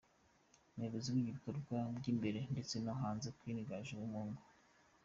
Umuyobozi w’ibikorwa by’imbere ndetse no hanze : Queen Gaju Wamungu.